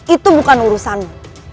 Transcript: itu bukan urusanmu